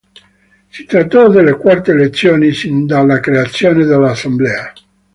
Si trattò delle quarte elezioni sin dalla creazione dell'Assemblea.